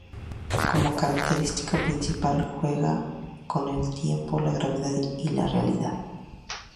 Como característica principal, juega con el tiempo, la gravedad y la realidad.